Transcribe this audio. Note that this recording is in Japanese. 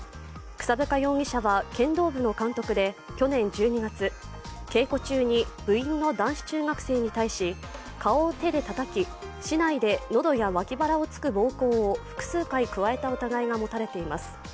草深容疑者は剣道部の監督で去年１２月、稽古中に部員の男子中学生に対し顔を手でたたき、竹刀で喉や脇腹を突く暴行を複数回加えた疑いが持たれています。